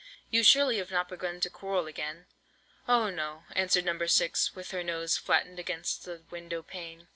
You surely have not begun to quarrel already?" "Oh, no," answered No. 6, with her nose flattened against the window pane.